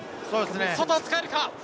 外を使えるか？